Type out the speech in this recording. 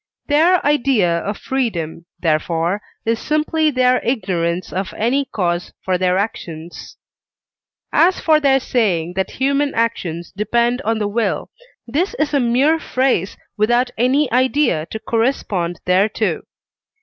Their idea of freedom, therefore, is simply their ignorance of any cause for their actions. As for their saying that human actions depend on the will, this is a mere phrase without any idea to correspond thereto.